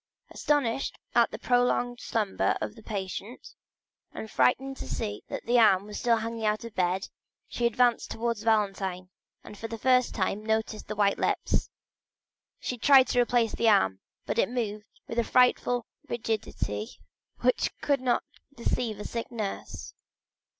Astonished at the prolonged slumber of the patient, and frightened to see that the arm was still hanging out of the bed, she advanced towards Valentine, and for the first time noticed the white lips. She tried to replace the arm, but it moved with a frightful rigidity which could not deceive a sick nurse.